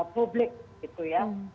publik gitu ya